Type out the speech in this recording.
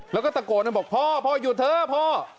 แล้วก็ตะโกนบอกพ่อพ่อหยุดเถอะพ่อ